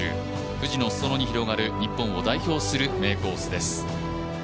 富士の裾野に広がる日本を代表する名コースです。